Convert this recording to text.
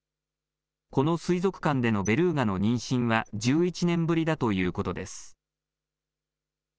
この水族館でのベルーガの妊娠は１１年ぶりだということです。